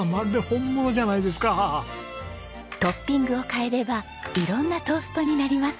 トッピングを変えれば色んなトーストになります。